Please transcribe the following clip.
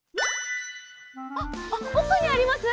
あっおくにあります？